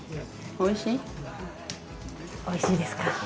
おいしいですね。